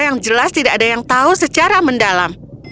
yang jelas tidak ada yang tahu secara mendalam